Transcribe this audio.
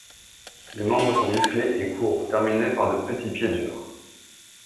Les membres sont musclés et courts, terminés par de petits pieds durs.